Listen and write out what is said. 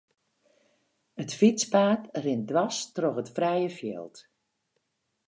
It fytspaad rint dwers troch it frije fjild.